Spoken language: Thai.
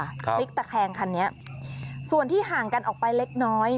พลิกตะแคงคันนี้ส่วนที่ห่างกันออกไปเล็กน้อย